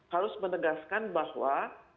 harus menegaskan bahwa